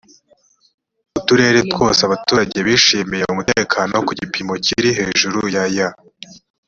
uturere twose abaturage bishimiye umutekano ku gipimo kiri hejuru ya ya